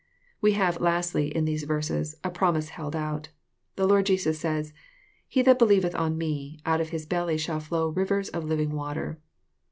We have, lastly, in these verses, a promise held out. The Lord Jesus sa3's, " He that beKeveth on me, out of his belly shall flow rivers of living water."